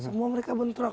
semua mereka bentrok